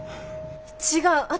違う！